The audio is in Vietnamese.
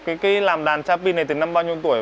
cái làm đàn cha pi này từ năm bao nhiêu tuổi